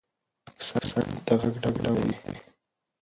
اکسنټ د غږ ډول دی.